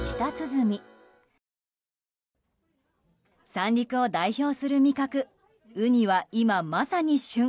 三陸を代表する味覚ウニは今まさに旬。